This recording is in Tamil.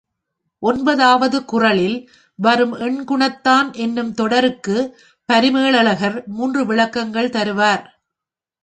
ஒன்பதாவது குறளில் வரும் எண்குணத்தான் என்னும் தொடருக்குப் பரிமேலழகர் மூன்று விளக்கங்கள் தருவார்.